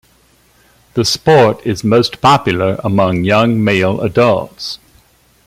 The sport is most popular among young male adults.